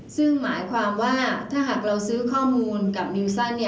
ซึ่งหมายความว่าถ้าหากเราซื้อข้อมูลกับนิวสั้น